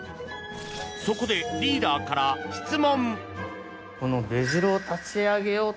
そこでリーダーから質問。